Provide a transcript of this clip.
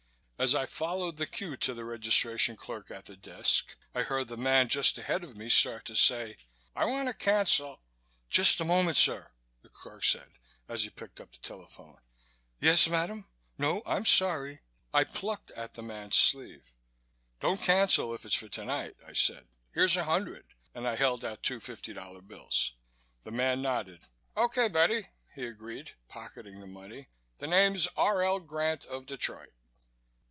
As I followed the queue to the registration clerk at the desk I heard the man just ahead of me start to say: "I want to cancel " "Just a moment, sir," the clerk said, as he picked up the telephone. "Yes, madam? No, I'm sorry " I plucked at the man's sleeve. "Don't cancel, if it's for tonight," I said, "Here's a hundred," and I held out two fifty dollar bills. The man nodded. "Okay, buddy," he agreed, pocketing the money. "The name's R. L. Grant of Detroit."